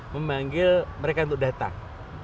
memanggil mereka untuk datang